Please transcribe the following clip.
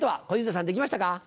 小遊三さんできましたか？